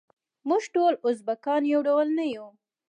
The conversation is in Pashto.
موږ ټول ازبیکان یو ډول نه یوو.